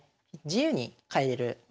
自由に変えれる。